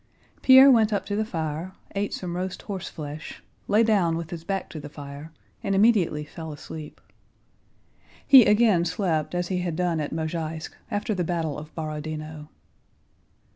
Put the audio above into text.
Pierre went up to the fire, ate some roast horseflesh, lay down with his back to the fire, and immediately fell asleep. He again slept as he had done at Mozháysk after the battle of Borodinó.